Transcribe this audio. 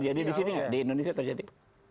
terjadi di sini nggak di indonesia terjadi